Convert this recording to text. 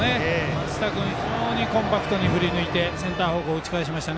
松下君、非常にコンパクトに振りぬいてセンター方向に打ち返しました。